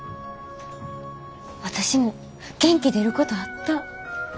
私も元気出ることあった。